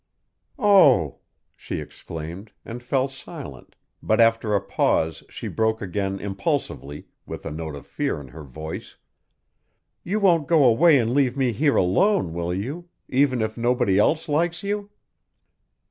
"Oh!" she exclaimed, and fell silent, but after a pause she spoke again impulsively, with a note of fear in her voice. "You won't go away and leave me here alone, will you even if nobody else likes you?"